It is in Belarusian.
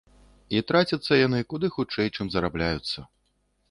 І трацяцца яны куды хутчэй, чым зарабляюцца.